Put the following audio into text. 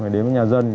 đến với nhà dân